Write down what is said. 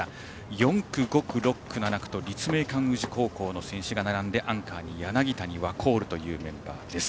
４区、５区、６区、７区と立命館宇治高校の選手が並んでアンカーに柳谷ワコールというメンバー。